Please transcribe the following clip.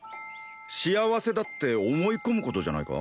幸せだって思い込むことじゃないか？